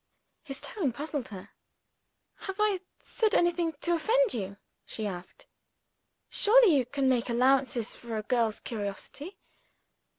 His tone puzzled her. "Have I said anything to offend you?" she asked. "Surely you can make allowance for a girl's curiosity?